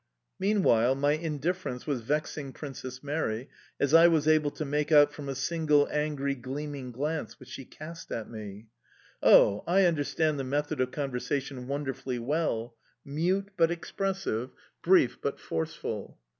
Meanwhile my indifference was vexing Princess Mary, as I was able to make out from a single angry, gleaming glance which she cast at me... Oh! I understand the method of conversation wonderfully well: mute but expressive, brief but forceful!...